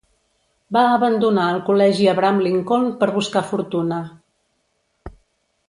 Va abandonar el col·legi Abraham Lincoln per buscar fortuna.